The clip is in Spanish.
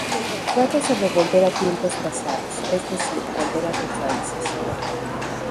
Trata sobre volver a tiempos pasados, es decir, volver a tus raíces.